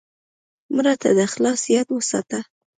مړه ته د اخلاص یاد وساته